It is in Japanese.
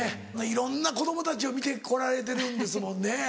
いろんな子供たちを見て来られてるんですもんね。